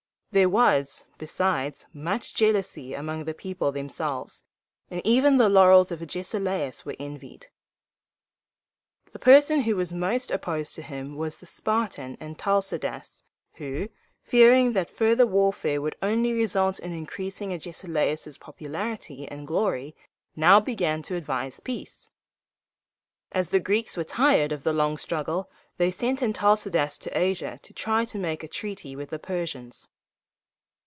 There was, besides, much jealousy among the people themselves, and even the laurels of Agesilaus were envied. The person who was most opposed to him was the Spartan An tal´ci das, who, fearing that further warfare would only result in increasing Agesilaus' popularity and glory, now began to advise peace. As the Greeks were tired of the long struggle, they sent Antalcidas to Asia to try to make a treaty with the Persians.